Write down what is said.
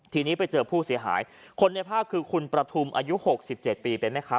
ทีนี้ไปเจอผู้เสียหายคนในภาคคือคุณประทุมอายุหกสิบเจ็ดปีเป็นไหมครับ